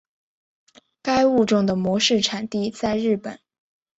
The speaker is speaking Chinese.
该物种的模式产地在日本。